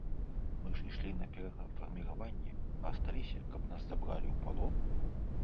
Мы ж ішлі на перафарміраванне, а асталіся, каб нас забралі ў палон?